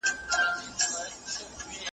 نظر غرونه چوي ,